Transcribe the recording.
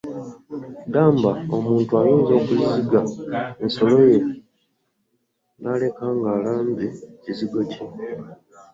Gamba, omuntu ayinza okuziga ensolo ye n’aleka ng’alambye ekizigo kye.